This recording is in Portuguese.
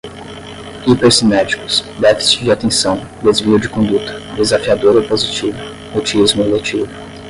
hipercinéticos, déficit de atenção, desvio de conduta, desafiador opositivo, mutismo eletivo